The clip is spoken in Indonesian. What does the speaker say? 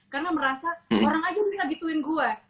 karena merasa orang aja bisa gituin gue